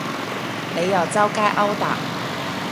你又周街勾搭